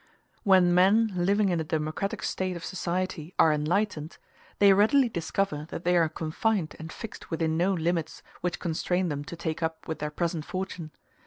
When men living in a democratic state of society are enlightened, they readily discover that they are confined and fixed within no limits which constrain them to take up with their present fortune.